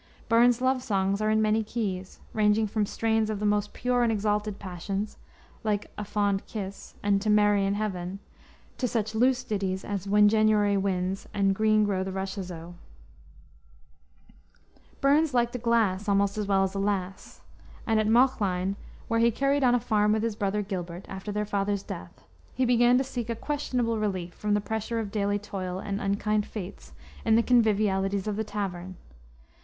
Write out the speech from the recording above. Burns's love songs are in many keys, ranging from strains of the most pure and exalted passion, like Ae Fond Kiss and To Mary in Heaven, to such loose ditties as When Januar' Winds and Green Grow the Rashes O. Burns liked a glass almost as well as a lass, and at Mauchline, where he carried on a farm with his brother Gilbert, after their father's death, he began to seek a questionable relief from the pressure of daily toil and unkind fates, in the convivialities of the tavern.